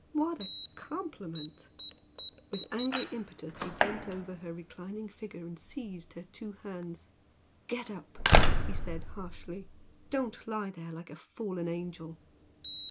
What a compliment!" With angry impetus he bent over her reclining figure and seized her two hands. "Get up!" he said harshly "Don't lie there like a fallen angel!"